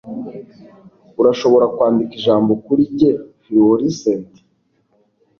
Urashobora Kwandika Ijambo Kuri njye Fluorescent?